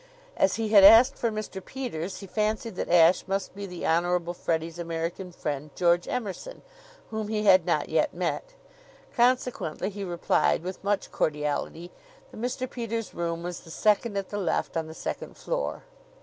As he had asked for Mr. Peters, he fancied that Ashe must be the Honorable Freddie's American friend, George Emerson, whom he had not yet met. Consequently he replied with much cordiality that Mr. Peters' room was the second at the left on the second floor.